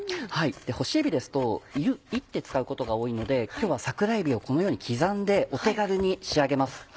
干しえびですと炒って使うことが多いので今日は桜えびをこのように刻んでお手軽に仕上げます。